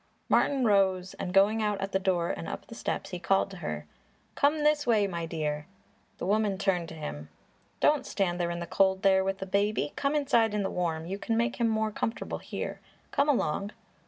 Martin rose and going out at the door and up the steps, he called to her. "Come this way, my dear!" The woman turned to him. "Don't stand in the cold there with the baby; come inside in the warm; you can make him more comfortable here. Come along!"